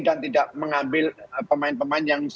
dan tidak mengambil pemain pemain yang selama ini